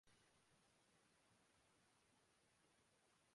common wealth games hockey England کیخلاف مقابلہ goals سے برابر